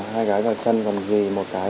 hai gái vào chân còn dì một cái